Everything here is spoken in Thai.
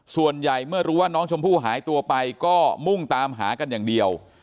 เมื่อรู้ว่าน้องชมพู่หายตัวไปก็มุ่งตามหากันอย่างเดียว